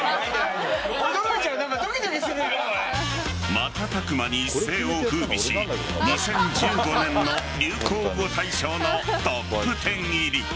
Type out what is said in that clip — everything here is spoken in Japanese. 瞬く間に一世を風靡し２０１５年の流行語大賞のトップ１０入り。